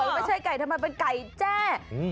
ไม่ใช่ไก่ทำไมเป็นไก่แจ้